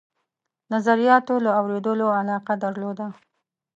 نظریاتو له اورېدلو علاقه درلوده.